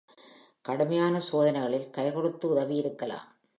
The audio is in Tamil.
கடுமையான சோதனைகளில் கைகொடுத்து உதவி இருக்கலாம்.